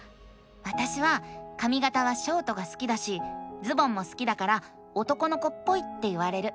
わたしはかみがたはショートが好きだしズボンも好きだから男の子っぽいって言われる。